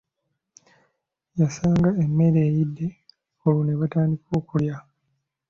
Yasanga emmere eyidde olwo nebatandika kulya.